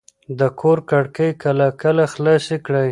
د کور کړکۍ کله کله خلاصې کړئ.